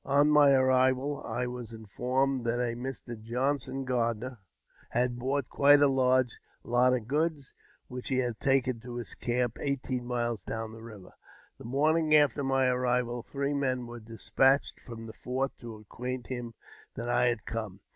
On my arrival, I was informed that a Mr. Johnson Gardn had bought quite a large lot of goods, which he had taken his camp, edghteen miles down the river. The morning after*' my arrival, three men were despatched from the fort to^acquaint him that I had come.